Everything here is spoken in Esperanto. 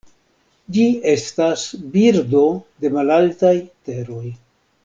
Ĝi estas birdo de malaltaj teroj.